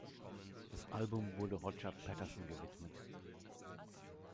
Das Album wurde Roger Patterson gewidmet.